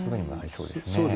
そうですね。